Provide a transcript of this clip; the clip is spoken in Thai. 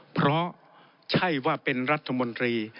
เพราะใช่ว่าเป็นรัฐมนตรี